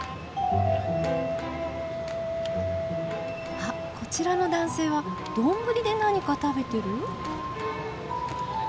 あっこちらの男性は丼で何か食べてる？